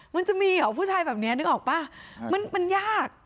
มันจะมีเหรอผู้ชายแบบนี้นึกออกป่ะมันยาก